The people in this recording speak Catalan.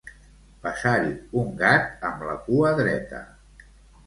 Passar-hi un gat amb la cua dreta.